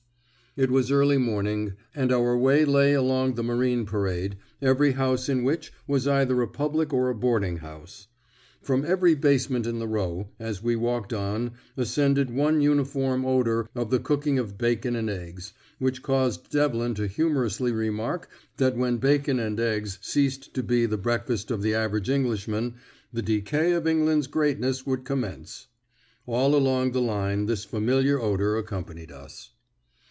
It was early morning, and our way lay along the Marine Parade, every house in which was either a public or a boarding house. From every basement in the row, as we walked on, ascended one uniform odour of the cooking of bacon and eggs, which caused Devlin to humorously remark that when bacon and eggs ceased to be the breakfast of the average Englishman, the decay of England's greatness would commence. All along the line this familiar odour accompanied us.